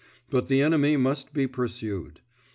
But the enemy must be pursued.